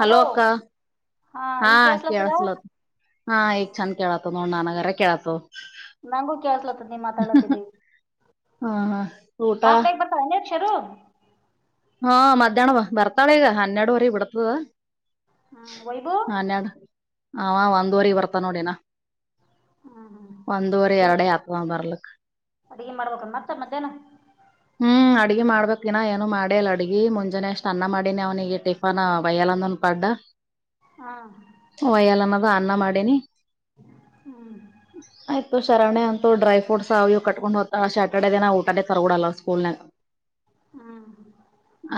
Hello ಅಕ್ಕ ಹಾ ಈಗ ಕೇಳಸ್ಲತ್ತದ ಕೆಲಸಲಾತದ ಹಾ ಈಗ ಛಂದ ಕೆಲಸಲಾತದ ನೋಡ್ ನನಗರ ಕೇಳಾತದ್ ನಂಗು ಕೆಳಸ್ಲಾತದ ನೀ ಮಾತಾಡ್ಲತಿದಿ ಹ ಹ ಊಟ ಹಾ ಬೇಗ್ ಬರ್ತಾಳ ಕೆರೂರ ಹಾ ಮಧ್ಯಾಹ್ನ ಬ ಬರ್ತಾಳೆ ಈಗ ಹನ್ನೆರಡವರಿಗೆ ಬಿಡ್ತದ ಹ್ಮ್ ವೈಭು ಹನ್ಯಾಡ್ ಆವ ಒಂದವರಿಗೆ ಬರ್ತಾನೋಡ್ ಇನ್ನ ಹ್ಮ್ ಹ್ಮ್ ಒಂದುವರಿ ಎರಡೆ ಆಗ್ತದ ಅವ ಬರ್ಲಾಕ ಅಡಿಗಿ ಮಾಡ್ಬೇಕನ ಮತ್ತ ಮಧ್ಯಾಹ್ನ ಹ್ಮ್ ಅಡಿಗಿ ಮಾಡ್ಬೇಕ್ ಇನಾ ಏನು ಮಾಡೇಇಲ್ಲ ಅಡಿಗಿ ಮುಂಜಾನೆ ಅಷ್ಟ್ ಅನ್ನ ಮಾಡಿ ಅವನಿಗೆ ಟಿಫನ್ ಬಯ್ಯಲಂದ ಕಟ ಮತ್ತಾ ಹಾ ಹ ಅನ್ನ ಮಾಡೇನಿ ಹ್ಮ್ ಶರಣ್ಯಾ ಅಂತು ಡ್ರೈಫ್ರೂಟ್ಸ್ ಅವು ಇವು ಕಟ್ಕೊಂಡ್ ಹೋಗ್ತಾನ ಸ್ಯಾಟರ್ಡಡೆ ದಿನ ಊಟಾನೇ ತರಗೊಡಲ್ಲ ಸ್ಕೂಲ್ನಾಗ ಹ್ಮ್ ಹ್ಮ್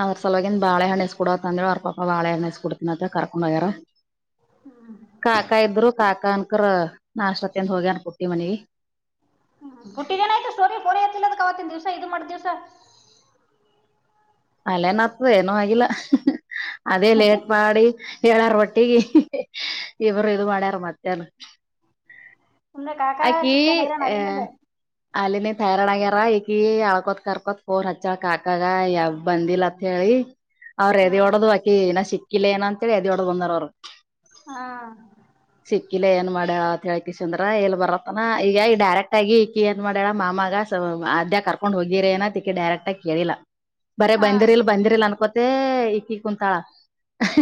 ಅವ್ರ ಸಲವಾಗಿನ್ ಬಾಳೆಹಣ್ಣ ಕೂಡತಂದಿಳ್ ಅವರ್ ಪಪ್ಪಾ ಬಾಳೆಹಣ್ಣ ಎನಸ್ ಕೂಡತನತ್ತ ಕರ್ಕೊಂಡ್ ಹೋಗ್ಯಾರ ಹ್ಮ್ ಕಾಕಾ ಇದ್ರು ಕಾಕಾ ಅನ್ಕರ ನಷ್ಟಾ ತಿಂದ ಹೋಗಿ ಪುಟ್ಟಿ ಮನಿಗಿ ಹ್ಮ ಪುಟ್ಟಿಗೆನ್ ಆಯ್ತು ಸೋನಿ ಫೋನ ಎತ್ತಿಲ್ಲ ಅದಕ್ ಅವತ್ತಿನ ದಿವ್ಸ ಇದು ಮಾಡಿದ್ದಿವಸ ಅಲ್ಲೇನಾಗ್ತದ ಏನು ಆಗಿಲ್ಲ ಅದೇ ಲೇಟ್ ಮಾಡಿ ಹೇಳ್ಯಾರ್ ಒಟ್ಟಿಗೆ ಇಬ್ಬರು ಇದು ಮಾಡ್ಯಾರ ಮತ್ತೇನ ಸುಮ್ನೆ ಕಾಕಾ ಆಕಿ ಚಿಕ್ಕನ್ ಹೈರಾಣ ಅ ಅಲ್ಲಿಂದ ಅಲಿನ ಹೈರಾಳಾಗ್ಯಾರಾ ಈಕಿ ಅಳ್ಕೊತ್ ಕರ್ಕೊತ್ ಫೋನ ಹಚ್ಯಾಳ ಕಾಕಾಗ ಯಾಕ್ ಬಂದಿಲ್ಲ ಅಂತ ಹೇಳಿ ಅವ್ರ ಎದಿ ಹ್ಮ್ ಆಕಿನ್ನ ಸಿಕ್ಕಿಲ್ಲ ಏನ ಅಂತೇಳಿ ಎದಿ ಒಡದು ಬಂದಾರ ಹಾ ಸಿಕ್ಕಿಲ್ಲ ಏನ್ ಮಾಡ್ಯೂಲ್ ಆಳ್ಕ ಚಂದ್ರ ಎ ಬರತ್ತನ ಈಗ ಈಗ ಡೈರೆಕ್ಟ್ ಆಗಿ ಇಕ್ಕಿ ಏನ್ ಮಾಡ್ಯಾಳ ಮಾಮಗ ಅಲ್ಲೇ ಕರ್ಕೊಂಡ್ ಹೋಗಿರಿ ಏನ ತಿಕ್ಕಿ ಡೈರೆಕ್ಟ್ ಬಂದ ತ್ತ ಕೇಳಿಲ್ಲ ಬರೇ ಹ್ಮ್ ಬಂದಿರ್ಲ್ ಬಂದಿರ್ಲ್ ಅನ್ಕೋತೇ ಇಕ್ಕಿ ಕುಂತಾಳ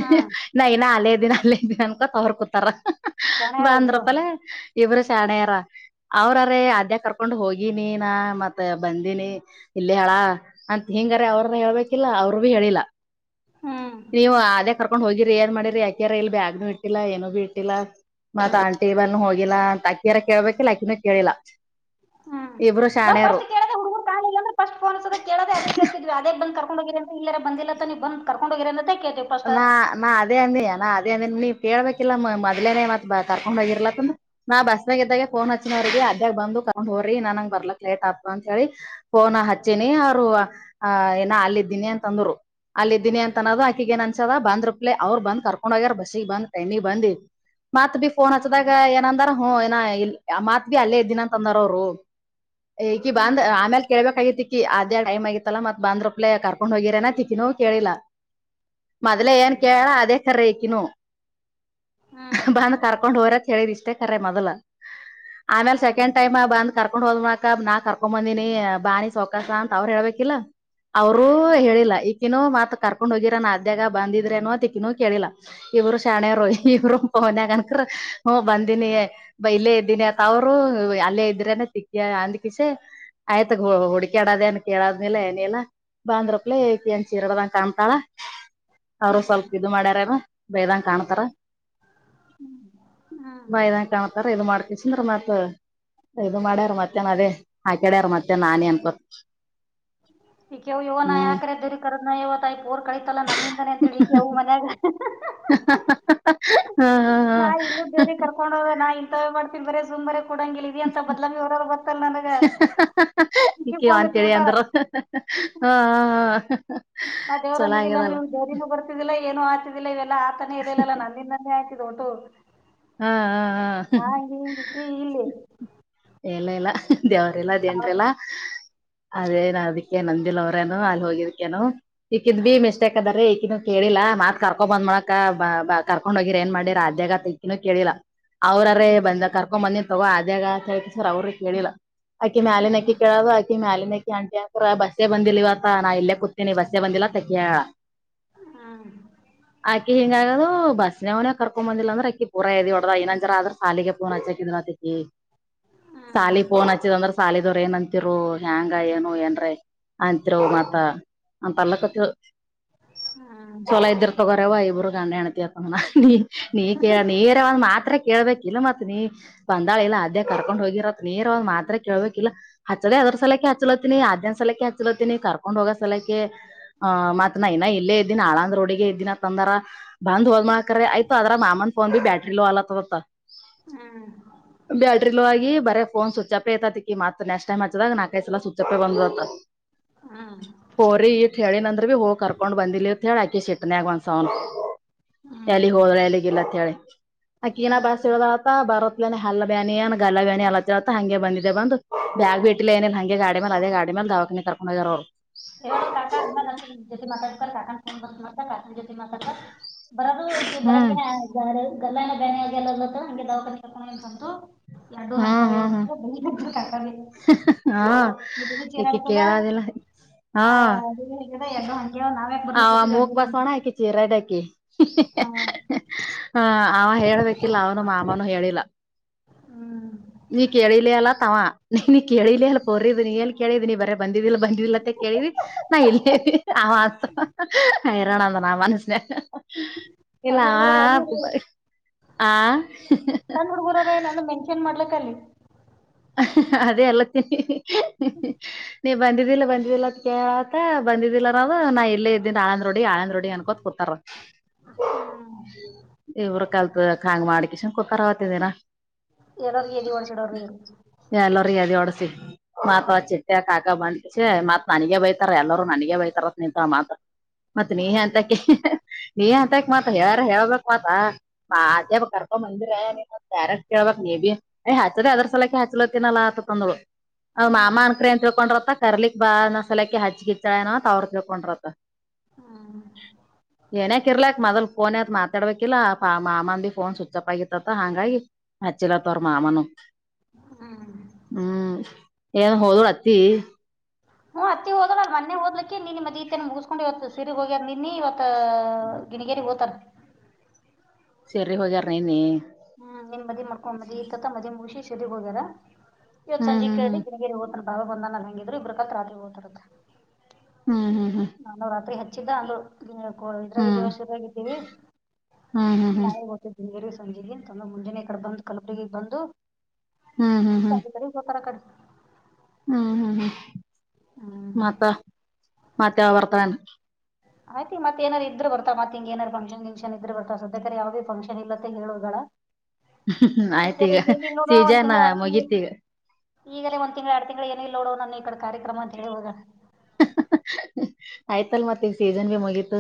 ಹ್ಮ್ ನಾ ಇನ ಅಲ್ಲೇ ದೀನ ಅಲ್ಲೇ ದಿನ ಅನ್ಕೊ ತ ಅವರ್ಕೂತಾರ ಶಾಣ್ಯಾರ ಇಬ್ರು ಬಾಂದ್ರಪ್ಪ ಅಲ್ಲ ಇವರು ಚಾಣೆರ ಅವ್ರರ ಆದ್ಯ ಕರ್ಕೊಂಡ್ ಹೋಗಿನಿ ನ ಮತ್ತ ಬಂದಿನಿ ಇಲ್ಲೇ ಹ ಅಂತ ಹಿಂಗಾರೆ ಅವ್ರನ್ನ ಹೇಳ್ಬೇಕಿಲ್ಲ ಅವರು ಭೀ ಹೇಳಿಲ್ಲ ಹ್ಮ್ ನೀವು ಅದೇ ಕರ್ಕೊಂಡ್ ಹೋಗಿ ಏನ್ ಮಾಡಿರಿ ಯಾಕ್ಯಾರ ಇಲ್ಲಿ ಬ್ಯಾಗ್ನು ಇಟ್ಟಿಲ್ಲ ಏನು ಬಿ ಇಟ್ಟಿಲ್ಲ ಮತ್ ಆಂಟಿ ಬನ್ ಹೋಗಿಲ್ಲಾ ಅಕೀ ಯಾ ಕೇಳಳ್ಬೇಕೆ ಆಕಿನು ಕೇಳಿಲ್ಲ ಹ್ಮ್ ಇಬ್ರು ನಾವ್ ಶಾಣ್ಯರು ಫಸ್ಟ್ ಕೇಳದ ಹುಡುಗಕ್ ಕಾಣಿಲ್ಲ ಅಂದ್ರೆ ಸ್ಟ್ ಫೋನ್ಸದ ಕೇಳದ ಅದ ಕೇಳ್ತಿದ್ವಿ ಅದೇ ಬಂದ ಗಿ ಇಲ್ಲರೆ ಬಂದಿಲ್ಲ ನೀವು ಬಂದು ಕರಕೊಂಡ ಹೋಗಿರಂತ್ ಆ ನಾ ನಾ ಅದೇ ಅಂದಾನ ದ್ರ ನೀಕೇಳ್ಬೇಕಿಲ್ಲ ಮೊದ್ಲೆೇ ಮತ್ ಕರ್ಕೊಂಡ್ ಹೋಗಿರ್ಲ ಅಂತ ಅಂದ ನಾ ಬಸ್ನಾಗ ಇದ್ದಾಗೆ ಫೋನ್ ಹಚ್ಚಿನವ್ರಿಗೆ ಅ್ಯ ಬಂದು ಕೊಂಡ್ ಹೋರಿ ನನಂಗ ಬರ್ಲಕ್ ಲೇಟ್ ಆತ ಅಂತ ಹೇಳಿ ಫೋನ್ ಹಚ್ಚಿನಿ ಅವ್ರು ಆ ಏನ ಅಲ್ಲ ಇದಿದ್ದೀನಿ ಅಂತ ಅಂದ್ರು ಅಲ್ಲಿದ್ದೀನಿ ಅಂತ ನದ ಆಕಿಗಏನ್ಸದ ಬಂದ ರುಪ್ಲೆ ಅವ್ ಬಂದ ಕರ್ಕೊಂಡ್ಗ್ಯಾರ ಬಸ್ಸಿಗೆ ಬಂದ ಟ್ರೈನಿಗೆ ಬಂದ್ ಮತ್ ಬಿ ಫೋನ್ ಹ್ಮ್ ಹಚ್ಚದಾಗ ಏನಂದಾರ ಹ್ ಏನ ಇ ಮಾತ್ ಬಿ ಅಲ್ಲೇ ಇದ್ದಿನ ಅಂತ ಅಂದಾರ ಅವರು ಇಕಿ ಬಂದ್ ಹ್ಮ್ ಆಮೇಲೆ ಕೆೇಳ್ಬೇಕಕ್ ಆಗಿತ್ತ ಆಕಿ ಆದ್ಯ ಟೈಮ್ ಆಗಿತ್ತಲ್ಲ ಮತ್ ಬಾಂದ್ರಪ್ಲೆ ಕಾರ್ಕೊಂಡ್ ಹೋಗಿರನ ತಿಕಿನೋ ಕೇಳಿಲ್ಲಾ ಮದಲ ಏನ್ ಹ್ಮ್ ಕಳಾ ಅದೇ ಕರೆ ಇಕಿನು ಹ್ಮ್ ಬಂದ್ ಕರ್ಕೊಂಡ್ ಹೋರತ್ ಹೇಳಿದ್ ಇಷ್ಟೇ ಕರೆ ಮೊದಲ ಆಮೇಲೆ ಹ್ಮ್ ಸೆಕಂಡ್ ಮ್ ಬಂದ ಕರ್ಕೊಂಡ್ ಹೋ ಅಕ ನಾ ಕರ್ಕೊ ಬಂದಿನನಿ ಬಾಣಿ ಸೌಕಾಸ ಅಂತ ಅವ್ರ ಹೇಳ್ಬೇಕಿಲ್ಲ ಅವರು ಹ್ಮ್ ಹೇಳಿಲ್ಲಾ ಈಕಿನ ಮತ್ ಕರ್ಕೊಂಡ್ ಹೋಗಿರ ನ ಅ್ಯಗ ಬಂದಿದ್ರೆ ಅನ್ನೋತ್ ಇಕಿನೂ ಕೇಳಿಲ್ಲಾ ಇವರು ಶಾಣೆ ರೋ ಹ್ಮ್ ಇವರು ಪೋನ ನ್ಯಾಗ ಹ್ಮ ಬಂದೀನಿ ಇಲ್ಲೇ ಇದ್ದೀನಿ ಅತ್ತ ಅವರು ಅಲ್ಲೇ ಇದ್ರೇನೆ ತಿಕ್ಕ ಅಂದ ಕಿಸೆ ಹ [unintelligible] ಆಯ್ತಗ ಹುಡುಕಾಡದ ಏನ್ ಕೇಳದ್ನ ಏನಿಲ್ಲ ಬಂದ್ರಪ್ಲ ಏನ್ ಚೀರಡದ ಕಾಣ ತಾಳ ಅವರು ಹ್ಮ್ ಸ್ವಲ್ಪ ಇದು ಮಾಡ್ಯಾರಾರ ಬೇದಂಗ ಕಾಣ್ತಾರ ಹ್ಮ್ ನ ಇದದನ್ ಕಾಣ್ತಾರ ಇದು ಮಾಡ್ಕ [unintelligible] ಬಿಸಂದ ಮತ್ ಇದು ಮಾಡ್ಯಾರ್ ಮತ್ತೇನ್ ಅದೇ ಹಾಕ್ಯಾಡ್ಯಾರ ಮತ್ತೆ ನಾ ನೀ ಅನ್ಕೊಂತ ಈ ಕೆವು ಇವನ ನಾ ಯಾಕ್ ಅರಾ ಆಕರೆ ದರಿ ಕದ ನ ಇವ ನೋಡ ಕಳಿತಲ್ಲಾ ನಂದಿಂದಾನೆ ಅಂತ ಹೇಳತಿ ಅವವು ಮನ್ಯಾಗ [inaudible] ನಾ ಇಲ್ಲೂ ದೇವ್ರ ಕರ್ಕೊಂಡ ಹದ ನಾ ಇಂತವೇ ಮಾಡ್ತೀಬರೇ ಸುಮ್ಮ ಇರು ಈಕಿ ಇಕ್ಕ ಅಂತೇಳಿ ಹಚ್ಬಿಟ್ಟಾಳ. ಅಂದ್ರ ಹಾ ಹಾ ನಾ ದೇವ್ದಿದಿಲ್ಲ ಅ್ರ ಇವ್ ದೇವನೂ ಬರ್ತಿದಿಲ್ಲ ಏನು ಆತಿದಿಲ್ಲ ಇವೆಲ್ಲ ಆತನೇ ಇರಲಿಲ್ಲಲ್ಲ ನಂದಿಂದನೇ ಆಗಿ ಟ ಹ ಹ ಹಾಗೆ ಹ ಇಲ್ಲಿ ದೇವ್ರಲ್ಲ ಅವ್- ದಿಡ್ರಿಲ್ಲಾ ಅದೇ ನಾ ಅದಕ್ಕೆ ನಂದ ಅವ್ರೇನು ಅಲ್ಲಿ ಹೋಗಿದಕೇನು ಈಕಿದ್ ಭ ಮಿಸ್ಟೇಕ್ ಅದಾರ ಈಕ ಕೇಳಿಲ್ಲ ಮತ್ ಕರ್ಕೊ ಬಂದ್ ಬೆಳಕ ಕರ್ಕೊಂಡ್ ಹೋಗಿರರ್ ಏನ್ ಮಾಡಿರ ಅ ಆದ್ಯಗ ತ ಇನ್ನು ಕೇಳಿಲ್ಲ ಅವ್ರ್ರೇ ಹ್ಮ್ ಬಂದ ಕರ್ಕೊ್ ಮಂದಿನ್ ತಗೋ ಅದ್ಯಾಗ ಅಂತ ಹೇಳ್ ಸರ್ ಅವ್ರೆ ಕೇಳಿಲ್ಲ ಆಕಿ ಮ್ಯಾಲಿನಕ ಹ್ಮ್ ಕೇಳೋದು ಆಕಿ ಮ್ಯಾಲಿನಕ ಕೇಳೋದು ಟ ಅ ಬಸ್ಸೇ ಬಂದಿಲ್ಲಲ್ ಇವತ್ತ ನಾ ಇಲ್ಲೇ ಕೂತೇನಿ ಬಸ್ಸೇ ಬಂದಿಲ್ಲಾ ತಂಗಿ ಹೇಳಿದಾಲ್ ಹ್ಮ್ ಅಕ್ಕಿ ಹಿಂಗ ಆಗದು ಬಸ್ನ ಅವನೇ ಕರ್ಕೊ ಬಂದಿಲ್ಲ ಅಂದ್ರೆ ಅಕ್ಕಿ ಪರ ಎದಿ ಹೊಡದ ಏನಂಜರ ಆದ್ರ ಸಾಲಿಗೆ ಫೋನ್ ಹಚ್ಚಾಕಿ ಇದ್ದಲ್ ಅಂತ ಆಕೀ ಹ್ಮ್ ಸಾಲಿ ಫೋನ್ ಹಚ್ಚಿದ ಅಂದ್ರ ಸಾಲಿದವ್ರ ಏನ್ಂತರು ಹ್ಯಾಂಗ ಏನು ಏನ್ರ ಅಂತೀರ ಮತ್ತ ಅಂತಲ್ಲ ಕ ಹ್ಮ್ ಚೊಲೋ ಇದ್ದಿರ್ ತಗೋರವ ಇಬರು ಗಂಡ ಹೆಂಡತಿ ನಿ ಕೇಳ್ ನೇರವಾದ್ ಮಾತ್ರ ಕೇಳ್ಬೇಕ ಇಲ್ಲ ಮತ್ ನೀ ಬಂದಾಳ ಇಲ್ಲ ಅದೇ ಕರ್ಕೊಂಡ್ ಹೋಗಿರತ್ ನೇರವಾದ್ ಮಾತ್ರ ಕೇಳ್ಬೇಕ್ ಹಿಲ್ಲಾ ಹಚ್ಚೋಳ ಅದ್ರ ಸಲಕಕ್ಕೆ ಹಚ್ಚಲತ್ತೀನಿ ಆದ್ಯ ಸಲಕ್ಕೆ ಹಚ್ಚಲಕತೀನಿ ಕರ್ಕೊಂಡ್ ಹೋಗೋ ಸಲಕೆ ಹ ಮತ್ನಾ ಇನ ಇಲ್ಲೇ ಇದ್ದಿನ ಆಳಂದ್ ರೋಡಿಗೆ ಇದ್ದಿನ ತಂದಾರ ಬಂದ್ ಹೋಗ ಕ್ರ ಆಯತ ಅದ್ರ ಮಾಮನ್ ಫೋನ್ ಭ ಬಿ ಬ್ಯಾಟ್ರಿ ಲೋ ಅಗಲಕತದ ಹ್ಮ್ ಹ್ಮ್ ಅಂತ ಬ್ಯಾಟ್ರಿಲೋ ಆಗಿ ಬರ ಫೋನ್ ಸ್ವಿಚ್ ಅಪ್ ಐತತಿ ಈ ಮತ್ತ ನೆಕ್ಸ್ಟ್ ಟೈಮ್ ಹಚ್ಚದಾಗ ನಾಕೈಸಲ ಸುಚ್ಚಪ್ಪೆ ಬಂದ್ತ ಹ್ಮ್ ಹೋರಿ ಈ ಕೇಳಿ ನ್ರ ಭ ಹೋಗಿ ಕರ್ಕೊಂಡ್ ಬಂದಿಲ್ಲ ಅಂತ ಹೇಳಿ ಆಕಿ ಸಿಟ್ಟಿನ್ಯಾಗ್ ಒಂದ್ ಸವ ಎಲ್ಲಿಗ್ ಹ್ಮ್ ಹೋದ್ರ ಎಲ್ಲಿಗ ಇಲ್ಲ ಅಕಿ ಇನ ಬಸ್ ಇಳಾದಲ ಅಂತ ಬಾರ್ ಇಲ್ಲ ಹಲ್ಲ ಬ್ಯಾನಿಏ ಗಲ ಬ್ಯಾನಿ ಅಲ್ಲತ್ತತ್ತ ಹಂಗೆ ಬಂದಿದೆ ಬಂದು ಬ್ಯಾಗ್ ಬಿಟ್ಟಿಲ್ಲ ಏನಿಲ್ಲ ಹಂಗೆ ಗಾಡಿ ಮೇಲೆ ಅದ ಗಾ ಮೇ ಮ ದಾವನ್ನ ತರಕೊಂಡ ಯಾರೋರು ಹೇಳೋ ಕಾ ಅಂಗ ಜೊತೆ ಮಾತಾಡ್ತಾರೆ ಕಾ ಫೋನ್ ಬಂದ್ತ ಕಾಕ ಜೊ ಮಾತಾ ಹ್ಮ್ ಬರಬ್ಬರಾರ ಗಲ್ಲ ಏನೋ ಬ್ಯಾನಿ ಅಗಿದವ ಅಂತ ದವಾಖಾನೆ ಗೆ ಕರಕೊಂಡು ಹೋಗಿದಾನೆ ಅಂತ ಹ್ಮ ಹ್ಮ ಹ್ಮ ಕಾಕಾಗೆ ಹಾ ನಿದ್ದಿನು ಚೇರ್ ಈಕಿ ಆಗ್ತದ. ಕೆಳದಿಲ್ಲ ಹಾ ಆ ಆಗ್ಯದ ಎರ್ಡು ಹಂಗ್ಯಾವ ನಾವ್ಯಾಕ್ ಅವ ಬರ್ಲಕತ್ತಿದ್ವಿ ಮೂಕ್ ಅಲ್ಲಿಲ್ಲಿಂದ ಬಸೋಣ ಆಕಿ ಚೀರ ಚಿರಾಡಕಿ ಹಾ ಹ ಅವ ಹೇಳ್ಬೇಕಿಲ್ಲ ಅವನು ಮಾಮನುೂ ಹೇಳಿಲ್ಲ ಹ್ಮ್ [unintelligible] ನೀ ಕೇಳಿಲಿ ಅಲ್ಲ ತವಾ ನೀ ನೀ ಕೇಳಿಲ ಅಲ್ಲ ಪೋರಿದ ನೀ ಎಲ್ಲಿ ಕೇಳಿದಿ ನೀ ಬರೇ ಬಂದಿದಿಲ್ಲ ಬಂದಿ ಲ್ಲತ್ತ ಕೇಳಿದಿ ನಾ ಇಲ್ಲೇ ಆ ಮಾಸ ಇರೋಣ ಅಂದ ನ ಆ ಮನಸನ್ಯಾಗ ಇಲ್ಲ ಸಣ್ಣ ಹುಡ್ಗುರ್ ಅವರಿ ಹಬ ಆ ಕ ಅದೇ ಅಲ್ಲತ್ತನಿ ಹ್ಮ ನೀವ ಬಂದಿದ್ದಿಲ್ಲ ಬಂದಿದ್ದಿಲ್ಲ ಅ ಕೇಳ್ತ ಬಂದಿದ್ದಿಲ್ಲ ಅನ್ನೋದು ನಾ ಇಲ್ಲೇ ಇದ್ದೀನ್ ಆಳಂದ್ ರೋಡಿ ಆಳಂದ್ ರೋಡಿ ಅನ್ಕೋತ ಕೂತಾರ ಇವ್ರ ಕಲ್ತ್ ಹಾಂಗ ಮಾಡಿಕ ಶನ್ ಕುತರ ಹೊತಿದನಾ ಎರ ಎಲ್ಲಿ ಮಾಡಡ್ಸಿಡೋರ ಇವರು ಎಲ್ಲರು ಎದಿ ಒಡದು ಮಾತ್ ಚಿಟ್ಟೆ ಕಾಕ ಬಂದಸ ಮತ್ ನನಗೆ ಬೈತಾರ ಎಲ್ಲರೂ ನನಗ ಬೈತಾರ ಸ್ ನಿಂತ ಮಾತ್ರ ಮತ್ತೆ ನೀ ಹ್ಮ್ ಎಂತಕ ನೀ ಅಂತಕ್ ಮಾತ್ ಯಾರ ಹೇಳ್ಬಕ್ ಮಾ ಮಾೇ ಕರ್ಕ ಮಂದಿರ ನೀ ಮತ್ ಡೈರೆಕ್ಟ್ ಕೇಳ್ಬಕ್ ನೀ ಯ್ ಹಚ್ಚಚದೆ ಅದ್ರ ಸಲಕ ಹಚ್ಚಲತ್ತಿನಲ್ಲ ತಂದ್ರು ಅವ ಮಾಮ ಹ್ಮ್ ಅನ್ಕ್ರ ಅಂತ ತಿಳ್ಕೊಂಡ್ರತ್ತ ಕರ್ಲಿಕ್ ಬಾ ನ ಸಲಕ್ಕೆ ಹಚ್ಚಗಿತ್ತಾಳೆನತ್ ಅವ್ರ ತಿಳ್ಕೊಂಡ್ರತ್ತ ಹ್ಮ್ ಏನಕ ಇರ್ಲಾಕ್ ಮೊದಲ್ ಫೋನ್ ಎತ್ತಿ ಮಾತಾಡ್ಬೇಕು ಇಲ್ಲಾ ಮಾಮಂದಿ ಫೋನ್ ಸ್ವಿಚ್ ಅಪ್ ಆಗಿತ್ತತ್ತ ಹಂಗಾಗಿ ಮಚ್ಚಲ ತೋರ ಮಾಮನು ಹ್ಮ್ ಏನ್ ಹೋದ್ರ ಅತ್ತಿ ನಿ ಮದ್ ಈತ ಮುಗಿಸಕೊಂಡ್ ಇವತ್ತು ಸಿರಗ್ ಹೋಗ್ಯಾರ ನಿನ್ನ ಇವತ್ ಗಿಣಗೇರಿ ಹೋತಾರ ಸೇರಿ ಹೋಗ್ಯಾರಾ ನಿನ್ನೆ ಹ್ಮ್ ನಿಮ್ ಮದಿ ಮಾಡ್ಕೊಂಡ್ ಮದಿ ಈ ತತ್ತ ಮದ ಮುಗಿಸಿ ಹೋಗ್ಯಾರ ಇವತ್ ಹ್ಮ್ ಸಂಜೆ ಕೇಳ್ದಿ ಹ್ಮ್ ಗಿಣಗೇರಿ ಒತನ ಅಂತ ಬಾಬ ಬಂದ ನ ಹೆಂಗಿದ್ರು ಇಬ್ರಕತ್ರಿ ಓದತಾರತ್ ಹ್ಮ್ ಹ್ಮ್ ಹ್ಮ್ ಅಂಗ ಇದ್ರಾಗಿದ್ದೀವ ಶುರುಾಗಿದ್ದೀವಿ ಹ್ಮ್ ಹ್ಮ್ ಹ್ಮ್ ಹ್ಮ್ ಹ್ಮ್ ಹ್ಮ್ ನಾವೇ ಗೊತ್ತೀವಿ ಸಂಜ ತಮ್ಮ ಮುಂಜಾನೆ ಕಡೆ ಬಂದು್ ಕಲಪಗ ಬಂದು ಹ್ಮ್ ಹ್ಮ್ ಸ ಕಡೆ ಬಾರ ಆ ಕಡೆ ಹ್ಮ್ ಹ್ಮ್ ಹ್ಮ್ ಹ್ಮ್ ಮತ್ತ ಮತ್ತೆ ಬರ್ತಾನ ಆಯ್ತಿ ಮತ್ತ ಏನ್ ಆದ್ರೂ ಇದ್ದರೆ ಬರತಾಳ ಇದ್ ಬರ್ತ ಮತ್ತ ಹಿಂಗ ಏನಾರ ಫಂಕ್ಷನ್ ಗಿಷನ್ ಇದ್ ಬರ್ತ ಸ್ಯಕಾರೆ ಯಾವೇೀ ಫಕ್ಷನ್ ಇಲ್ಲಂತ ಹೇಳುವಾ ಆಯ್ತ ಈಗ ಏನ ನೋಡ ಒಂದ್ ಸೀಜನ್ ತಿಂಗಳು ಎಡು ತಿಂಗಳು ಮುಗೀತ್ ಈಗ ಈಗಾನೇ ಒಂದ್ ತಿಂಗ್ ಎರಡು ತಿಂಗಂಗಳು ಏನ ಇಿಲ್ಲ ನೋಡೋ ನನ್ನ ಈ ಕಡೆ ಕಾರ್ಯಕ್ರಮ ಅಂತೇಳಿ ಹೋಗ ಆಯ್ತಲ್ ಮತ್ತೆಗ ಸೀಜನ್ ಬಿ ಮುಗೀತ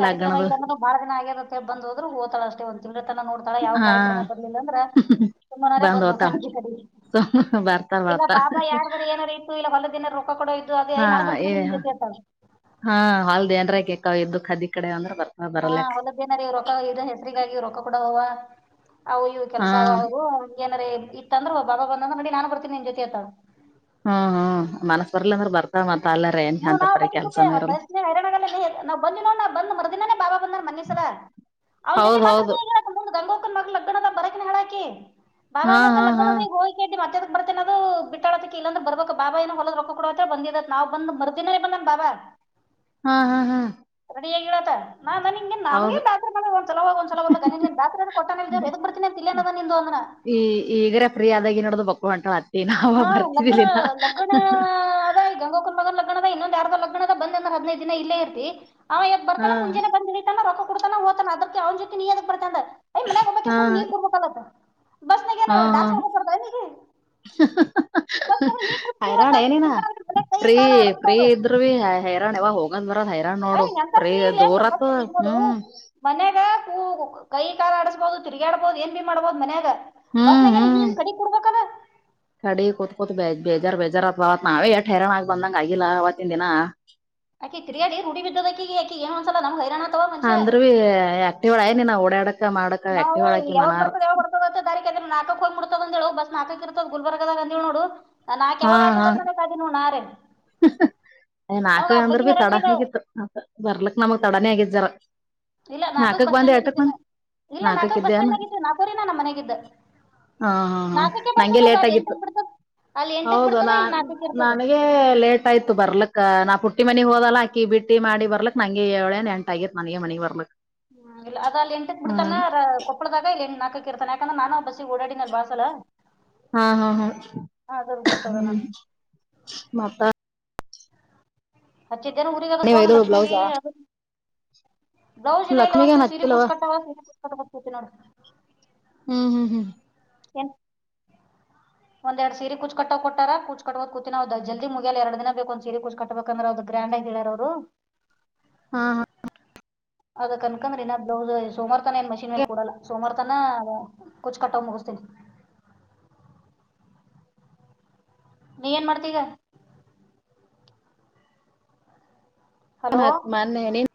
ಕಾರ್ಯಕ್ರಮ ಇಲ್ಲಾಂದ್ರೆ ಬಹಳ ದಿನ ಆಗಿರತ್ತೆ ಬ್ ಹೋದರು ಓತಾಳ ಅಷ್ಟೇ ತನ ನೋಡ್ತಾಳ ಯಾವ ಹಾ ಕಾರ್ಯಕ್ರಮ ಬರ್ಲಿಲ್ಲ ಅಂದ್ರ ತುಂಬನಾರೇ ಬಂದ್ ಬಂದು ಹೋತಾಳ ತಗೆ ಕಡೆ ಸುಮ್ನ ಬರ್ತಾಳ ಇಲ್ಲ ಬರ್ತಾ ಬಾಬಾ ಯಾರಾರ್ಗಡೆ ಏನಾರ ಇತ್ತು ಇಲ್ಲ ಹೊಲ ದಿನ ಕೊಡೋಯ್ದು ಅದೇ ಹಾ ನಲ್ ಬರ್ತನ ಏ ನಿಮ್ ಜೊತೆ ಇರ್ತಾವ ಎದ್ದುಖದಿ ಕಡೆ ಅಂದ್ರೆ ಹಾ ಹೊಲದ್ದೇನಾರ ಇವ್ ರೊಕ್ಕ ಇ ಹೆಸರಿಗಾಗಿ್ ರೊಕ್ಕ ಕೂಡ ಹ್ ಅವು ಇವ್ ಹಾ ಕೆಲಸ ಅವ ಅವ ಏನಾರ ಇತ್ತಂದ್ರ ಬಬ ಬಂದ್ರೆ ನೋಡಿ ನಾನ್ ಬರ್ತೀಿ ನಿನ್ ಜೊತೆ ಅತ ಹ್ಮ್ ಹ್ಮ್ ಮನಸ್ ಬರ್ಲ ಅಂದ್ರ ಬರ್ತ ಮ ಹ ನಾ ಬ ಹೈರಣಾಣ ನ ಬ ನ ಬಂದ್ ಮರದಿನಾನೇ ಬಾಬಾ ಬಂದಾನ ಮನ್ನಿಸ ಅವ್ನ ಜೊತೆ ಹೌದ್ ಮಾತ್ರ ಹೌದು ಬೇ ಗಂಗ ಲಗ್ಣದ ಬರ ಹೇಳ ಕೆ ಬ್ ಹಾ ಹಾ ಲಗ್ಣ ಹಾ ಗೋ ಕೆ ಮ ಬರ್ತೇನ ಅದು ಬಿಟ್ಟಾಡದಕ್ಕೆ ಇಲ್ಲಂದ ಬರ್ಬೇಕ ಬಾಏ ಹೊಲದ ರೊಕ್ಕ ಕೊಡ ಬಂದಿದದ ನಾವು ಬಂದ್ ಮರ್ತಿನ ಬಂದನ್ ಬಾಬಾ ಹಾ ಹಾ ಹಾ್ ಗಿಡತ ನಾ ನಾನನ್ಿಂಗಗೆ ನಮಗಗೆಾತ್ರೆ ಮಾಡ ಒಂದಲ ಒಂದ್ಲಲ್ಲನ್ ಬಾತ್ರೆ ಕೊಟ್ಟ ಪ್ರತಿನಿ ತಿ ನಿ ಅಂದ ಈ ಈಗರೇ ಫೀ ಆದಾಗ ನೋಡ್ದ ಬಕ್ಕೊಂಟತ್ತ ಹಾ ಲಕ್ಡ ಲಕ್ಡ ಅದ ಈ ಗಂಗಕರ್ ಮಗ ಲಗ್ದ ಇನ್ನೊಂದು ಎರಡು ಲಗ್ನದ ಬಂದೆ ಹದಿನೈ ದಿನ ಇಲ್ಲ ಇರ್ತಿ ಅವದ್ ಹಾ ಬರ್ತಾನ ಮುಂಜೆ ಬಂದ ರೊ ಕೊಡ್ತಾನ ಹೋತಾನ ಅದಕ್ಕೆ ಅವ್ ಜೊತೆ ನೀ ಅದಕ್ ಬರ್ತ ಅಯ ಮಯಾಗೋಗ್ಬೇಕೆ ಹಾ ಸ್ ನೀನ್ ಕೊಡ್ಬೇಕ ಬಸ್ನಾಗ ಏನ ಹಾ ಹಾ ಡಾನ್ಸ್ ಮಾಡಕೋ ಬರ್ತಾರ ನೀಗೆ ಹೈರಾಣ ಏನಿನ ದಿನಾ ಅವ್ರ ಮನ್ಯಾಗ ಕೈ ಫೀ ಕಾಲ ಪ್ರಫೀ ಆಡಸ್ಬೋದು ಇದ್ರವಿ ಹೈರಾಣ ಎಂತ ಫ್ರೀ ಇಲ್ಲ ಬ ದೂರತ್ ಇದು ಹ್ಮ್ ಮನ್ಯಾಗ ವು ಕೈ ಕಾಲ ಆಡಸ್ಬಹುದು ತಿಗಿ ಆಡಬಹುದು ಏನ್ ಬಿೀ ಮಾಡ್ಬಹದು ಮನ್ಯಾಗ ಹ್ಮ್ ಬಸ್ನಾಗ್ಯಾರ ಹ್ಮ್ ಹ ಕಡಿ ಕೊಡ್ಬೇಕದ ಕಡಿ ಕೂತ್ ಕೂತ್ ಬೇ ಬೇಜಾರ್ ಬೇಜಾರುತ್ವತ್ ನಾವೇ ಯ ಹೈರಣ ಆ ಬಂದಂಗ ಆಗಿಲ್ಲ ಅವವತ್ತಿನ ದಿನಾ ಆಕಿ ತಿರಿಯಡಿ ರೂಡಿ ಬಿದ್ದದ ಈಕಿ ಏನ್ಂದಸಲ ನ್ ಹೈರಾಣ ಆತವ ಮನುಷ್ಯ ಅಂದ್ರ ಭೀ ಆಕ್ಟಿವ್ ಆಯ ನೀನ್ ಓಡಾಡಕ್ ನಾವು ಯಾವಾಗ ಬರ್ತದ ಯಾವಾಗ ಹೊರ್ತದ ದಾರಿ ಅ್ರ ನಾಕಕ್ ಹೋಗ್ಿಡತದ ಅಂತ ಹೇಳ ಬಸ್ ನಾಕ ಗುಲ್ಬರ್ಗದಾಗ ಅಂದಿವ ನೋಡು ನಾಕಕ್ ಯಾವಾಗ ಆತದತ್ತಿ ನೋಣ ನ ರೆ ಅಯ್ ನಾಲ್ಕ ಅಂದ್ರ ಭೀ ತಡ ಹಗಿತ್ತು ಮ ಬರ್ಲಕ್ ನಮಗ್ ತಡಾನೇ ಆಗಿದಾರ ಇಲ್ಲ ನಾಲ್ಕಾಗಕ್ ಬಸ್ ಸ್ಟ್ಯಾಂಡ್ ಆಗ ಇದಿದ್ದ್ರು ಇಲ್ಲ ನಾಲ್ಕ ನಾಕಕ್ ಬಸ್ ಇದ್ದೇನ ಸ್ಟ್ಯಾಂಡ್ ಆಗ ಇದಿದ್ದ್ ನಾಕುರಿನ ನಮ್ಮ ಮನೆಗಿದ್ದ ಹಾ ಹಾ ಹಾ ನಾಲ್ಕಕ್ಕೆ ನಂಗೆ ಬರ್ತದ ಅದು ಲೇಟ್ ಅಲ್ಲಿ ಆಗಿತ್ತು ಎಂಟಕ್ಕೆ ಬಿಡ್ತದ ಅಲ್ಲಿ ಎಂಟಕ್ಕೆ ಹೌದು ಬಿಡ್ತದ ನಾ ಇಲ್ಲಿ ನಾಲ್ಕಕ್ಕೆ ಇರ್ತದ ನನಗೆ ಆಯ್ತಾಯಯ್ತು ಬರ್ಲಕ್ಕ ನಾ ಪುಟ್ಟಿ ಮನಿ ಹೋದಲ್ಲ ಆಕಿ ಬಿಟ್ಟ ಮಾಡಿ ಬರ್ಲಕ್ಂ ಹೇಳಳೇ ಎಂಟ ಆಗ್ಯತ್ ನನಗೆ ಮನೆಗ್ ಬರ್ಲಕ್ ಹ್ಮ್ ಇಲ್ಲ ಅದ ಅಲ್ಲಿ ಎಂಟಕ್ ಬಿಡ್ತಾನ ಹ್ಮ್ ಕೊಪ್ಪಳದಾಗ ಇಲ್ಲ ಎ ನಾಕ ಇರ್ತೆ ಯಾಕಂದ್ರೆ ನಾನ ಆ ಬಸ ಓಾಡಿನಲ್ಲಿ ಬಾಸಸಲ್ಲ ಹಾ ಹಾ ಹಾ ಗೊತ್ತದ ಹ್ಮ ನನ್ಗೆ ಮತ ಹಚ್ಚಿದ್ದೇನು ಊರಿಗೆ ನೀವ್ ಫೋನ್ ಇಲ್ಲ ಒಯ್ದಳು ಲಕ್ಷ್ಮಿಗೆ ಬ್ಲೌಸಾ ದೌಜನ ಇಲ್ಲವ ಲಕ್ಷ್ಮಿಗೇನ್ ಕಿವವು ಸೀರೆ ಹಚ್ಚಿಲ್ಲವ್ವ ಕುೂಚ್ಕಟ್ಟವ ಸೀರೆ ಕುಚ್ಕಟ್ಟತತಿ ನೋಡ್ರಿ ಹ್ಮ್ ಹ್ಮ್ ಹ್ಮ್ ಎನ್ ಒಂದ್ರಡ್ ಸೀರಿ ಕುಚ್ ಕಟ್ಟೋ ಕೊಟ್ಟಾರ ಕುೂಚ್ ಕಟ್ಟೋ ಕೂಿನ ನವು ಜಲ್ದಿ ಮುಗಿಯ ಎರ ದಿನ ಬೇಕ ಒಂದ ಸರಿ ಕುೂಚ್ ಕಟ್ಟಬೇಕಂದ್ರೆದ ಬಾಂಡ ಗಿಳಾರ ಅವರು ಹಾ ಹಾ ಅದ್ ಕನ್ಕಂದ್ರ ಇ ನ ಬ್ಲೌಸ್ ಸೋಮಾರ ತನ ಏನ್ ಮಷಿನ್ ಮೇ ಕೊಡಲ್ಲ ಸೋಮವಾರ ತನ ಕುಚ್ ಕಟ್ಟ್ ಮುಗಿಸತನಿ [inaudible] ನೀ ಏನ್ ಮಾಡ್ತೀಗ [unintelligible]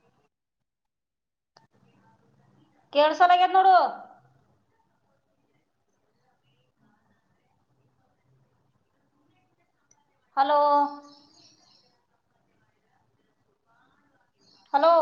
ಕೇೇಳಸಲ ಆಗ್ಯದ ನೋಡು ಹಲೋ ಹಲೋ